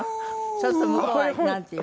そうすると向こうはなんて言うの？